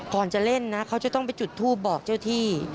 ก่อนจะเล่นนะเขาจะต้องไปจุดทูปบอกเจ้าที่